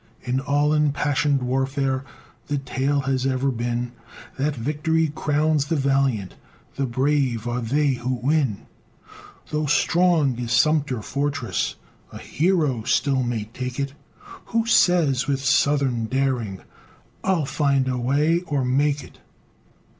In all impassioned warfare, The tale has ever been, That victory crowns the valiant, The brave are they who win. Though strong is "Sumter Fortress," A HERO still may take it, Who says, with "SOUTHERN DARING," "I'LL FIND A WAY, OR MAKE IT!"